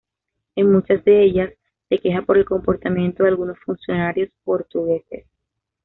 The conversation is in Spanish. En muchas de ellas se queja por el comportamiento de algunos funcionarios portugueses.